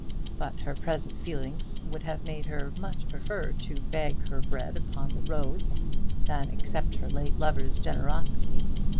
But her present feelings would have made her much prefer to beg her bread upon the roads than accept her late lover's generosity.